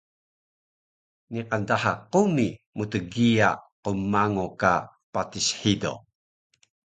Niqan daha qumi mtgiya qmango ka patis hido